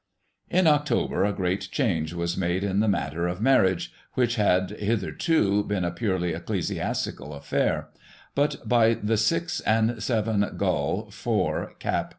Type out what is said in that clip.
In October a great change was made in the matter oK marriage, which had, hitherto, been a purely ecclesiastical ) affair, but by the 6 & 7 Gul. iv., cap.